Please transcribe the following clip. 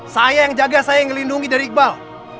saya yang jaga saya yang ngelindungi dari iqbal